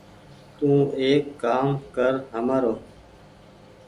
تو ايڪ ڪآم ڪر همآرو ۔